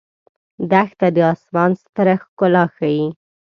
دښته د آسمان ستر ښکلا ښيي.